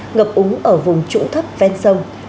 ngập úng ở vùng trũ thấp ven sông